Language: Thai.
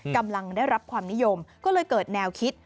กำลังได้รับความนิยมก็เลยเกิดแนวคิด